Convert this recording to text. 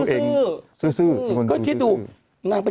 หนูจะจุดวันไหน